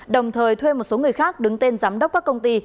đồng thời thuê một số người khác đứng tên giám đốc các công ty